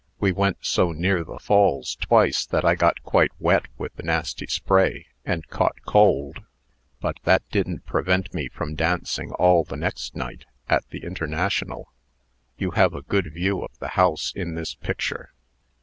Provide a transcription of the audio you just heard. We went so near the Falls twice, that I got quite wet with the nasty spray, and caught cold; but that didn't prevent me from dancing all the next night, at the International. You have a good view of the house in this picture."